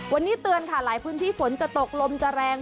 วันนี้เตือนค่ะหลายพื้นที่ฝนจะตกลมจะแรง